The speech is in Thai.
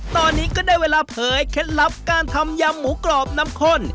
ตอนนี้ก็ได้เวลาเผยเคล็ดลับการทำยำหมูกรอบน้ำข้น